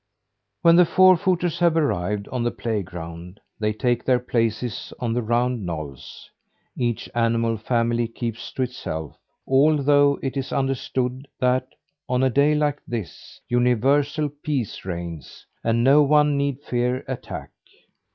When the four footers have arrived on the playground, they take their places on the round knolls. Each animal family keeps to itself, although it is understood that, on a day like this, universal peace reigns, and no one need fear attack.